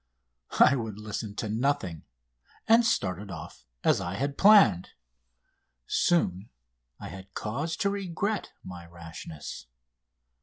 I would listen to nothing, and started off as I had planned. Soon I had cause to regret my rashness.